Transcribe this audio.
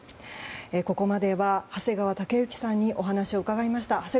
ここまでは長谷川雄之さんにお話を伺いました。